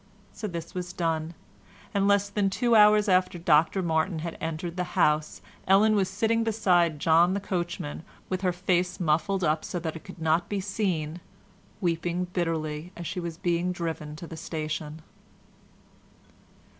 So this was done, and less than two hours after Dr Martin had entered the house Ellen was sitting beside John the coachman, with her face muffled up so that it could not be seen, weeping bitterly as she was being driven to the station.